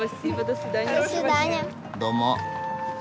どうも。